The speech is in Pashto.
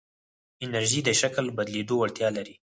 انرژی د شکل بدلېدو وړتیا لري.